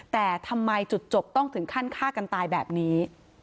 แต่ทำไมจุดจบต้องถึงขั้นฆ่ากันตายแบบนี้